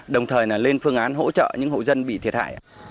đồng thời lên phương án hỗ trợ những hộ dân bị thiệt hại